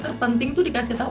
terpenting itu dikasih tau